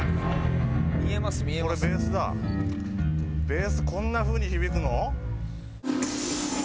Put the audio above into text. ベースこんな風に響くの？